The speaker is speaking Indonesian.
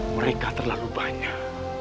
mereka terlalu banyak